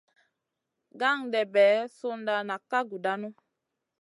Gandebe sunda nak ka gudanu.